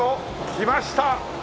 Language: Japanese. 来ました！